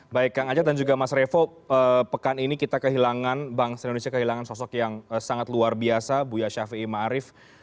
baik kang ajat dan juga mas revo pekan ini kita kehilangan bangsa indonesia kehilangan sosok yang sangat luar biasa buya syafi'i ma'arif